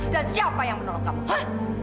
dan siapa yang menolong kamu